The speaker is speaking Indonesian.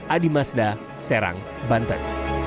adi mazda serang banten